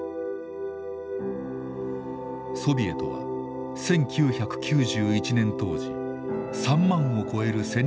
ソビエトは１９９１年当時３万を超える戦略